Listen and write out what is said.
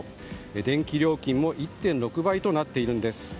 電気料金も１．６倍となっているんです。